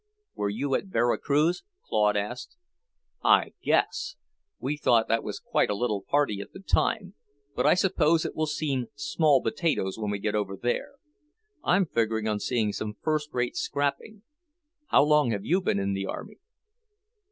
"Were you at Vera Cruz?" Claude asked. "I guess! We thought that was quite a little party at the time, but I suppose it will seem small potatoes when we get over there. I'm figuring on seeing some first rate scrapping. How long have you been in the army?"